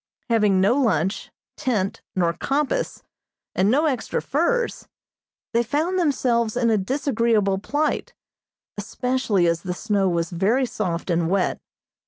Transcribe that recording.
Having no lunch, tent, nor compass, and no extra furs, they found themselves in a disagreeable plight, especially as the snow was very soft and wet.